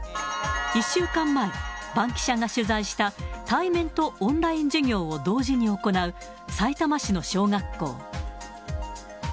１週間前、バンキシャが取材した、対面とオンライン授業を同時に行うさいたま市の小学校。